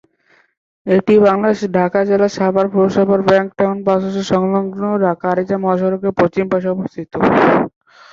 এটি বাংলাদেশের ঢাকা জেলার সাভার পৌরসভায় ব্যাংক টাউন বাসস্ট্যান্ড সংলগ্ন ঢাকা আরিচা মহাসড়কের পশ্চিম পাশে অবস্থিত।